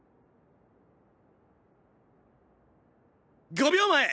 ５秒前！